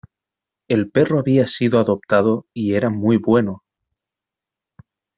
El perro había sido adoptado y era muy bueno.